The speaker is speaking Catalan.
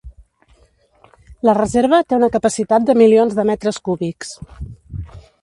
La reserva té una capacitat de milions de metres cúbics.